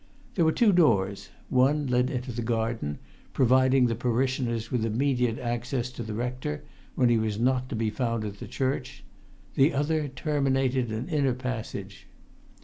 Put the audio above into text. There were two doors; one led into the garden, providing parishioners with immediate access to the rector when he was not to be found at the church; the other terminated an inner passage.